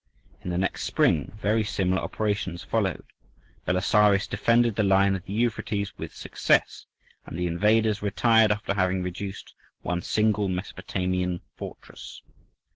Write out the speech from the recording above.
In the next spring very similar operations followed: Belisarius defended the line of the Euphrates with success, and the invaders retired after having reduced one single Mesopotamian fortress.